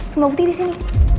semua putih di sini